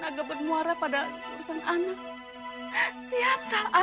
agak bermuara pada urusan anak